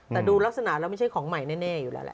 แต่ดูลักษณะแล้วไม่ใช่ของใหม่แน่อยู่แล้วแหละ